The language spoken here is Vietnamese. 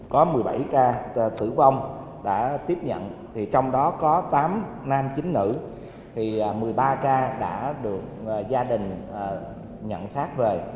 có một mươi bảy ca tử vong đã tiếp nhận trong đó có tám nam chín nữ một mươi ba ca đã được gia đình nhận sát về